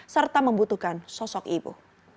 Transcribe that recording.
serta membutuhkan sosok ibu